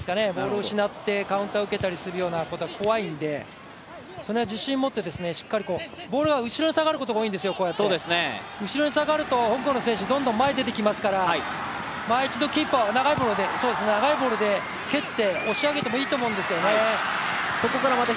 そうやってカウンターを受けたりするのは怖いので、その辺は自信を持って、ボ−ルを持って後ろに下がることが多いんですよ、後ろに下がると香港の選手どんどん前に出て行きますから一度、キーパーは長いボールで蹴って押し上げてもいいと思うんですよね。